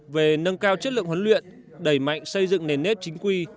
về nâng cao chất lượng huấn luyện đẩy mạnh xây dựng nền nếp chính quy